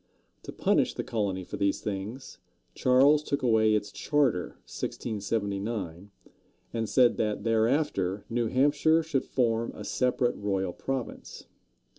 To punish the colony for these things, Charles took away its charter (1679), and said that thereafter New Hampshire should form a separate royal province.